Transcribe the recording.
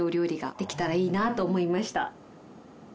できたらいいなと思いました。